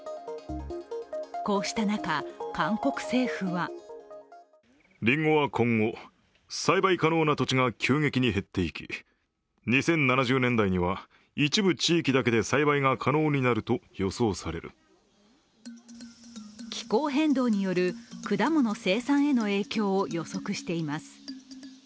こうした中、韓国政府は気候変動による果物生産への影響を予測しています。